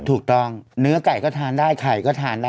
ถูกต้องเนื้อไก่ก็ทานได้ไข่ก็ทานได้